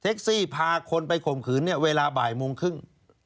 เท็กซี่พาคนไปข่มขืนเวลาบ่ายมุมครึ่ง